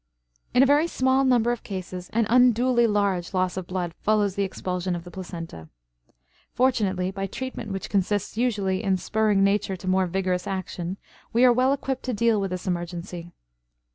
In a very small number of cases an unduly large loss of blood follows the expulsion of the placenta. Fortunately, by treatment which consists usually in spurring Nature to more vigorous action we are well equipped to deal with this emergency.